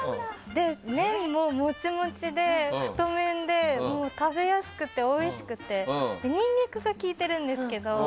麺も、もちもちで太麺で食べやすくておいしくてニンニクが効いてるんですけど